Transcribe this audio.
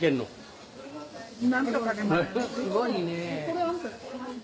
すごいね。